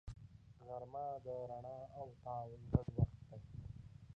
غرمه د رڼا او تاو ګډ وخت دی